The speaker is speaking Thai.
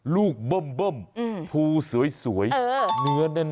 เบิ้มภูสวยเนื้อแน่น